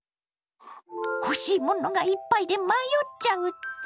欲しいものがいっぱいで迷っちゃうって？